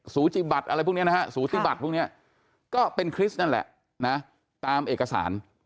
สูทิบัตรพรุ่งเนี่ยนะครับตามเอกสาร